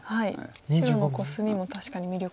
白のコスミも確かに魅力的ですね。